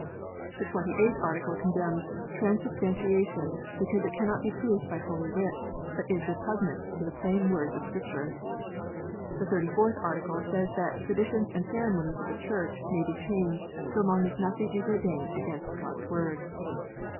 The Twenty eighth Article condemns Transubstantiation, " because it cannot be proved by Holy Writ, but is repugnant to the plain words of Scripture." The Thirty fourth Article says that " traditions and ceremonies of the Church may be changed, so long as nothing is ordained against God s Word."